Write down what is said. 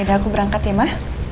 udah aku berangkat ya mah